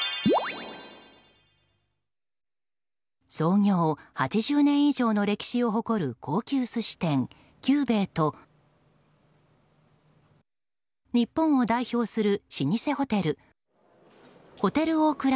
創業８０年以上の歴史を誇る高級寿司店、久兵衛と日本を代表する老舗ホテルホテルオークラ